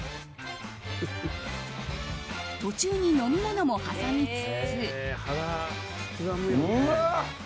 途中に飲み物も挟みつつ。